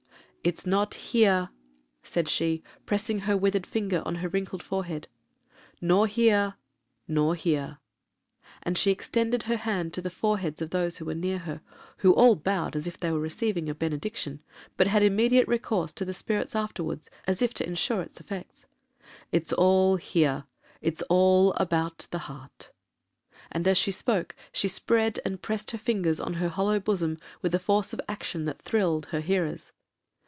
'It's not here,' said she, pressing her withered finger on her wrinkled forehead, 'nor here,—nor here;' and she extended her hand to the foreheads of those who were near her, who all bowed as if they were receiving a benediction, but had immediate recourse to the spirits afterwards, as if to ensure its effects.—'It's all here—it's all about the heart;' and as she spoke she spread and pressed her fingers on her hollow bosom with a force of action that thrilled her hearers.